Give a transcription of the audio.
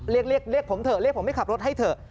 เรียกเรียกผมเถอะเรียกผมให้ขับรถให้เถอะ